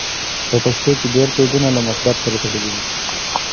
په پښتو کې ډېر قیدونه له مصدر سره تړلي دي.